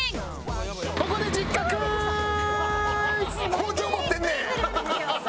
包丁持ってんねん！